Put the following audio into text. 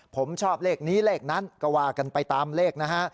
ผมชอบเลขนี้เลขนั้นก็ว่ากันไปตามเลขนะฮะ